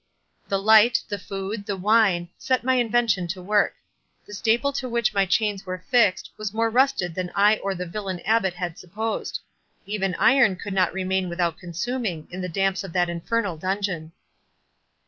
The light, the food, the wine, set my invention to work. The staple to which my chains were fixed, was more rusted than I or the villain Abbot had supposed. Even iron could not remain without consuming in the damps of that infernal dungeon."